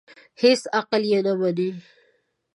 هېڅ عقل یې نه مني.